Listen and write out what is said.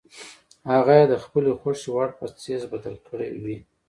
هغه یې د خپلې خوښې وړ په څیز بدل کړی وي.